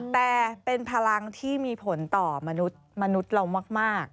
แต่เป็นพลังที่มีผลต่อมนุษย์เรามาก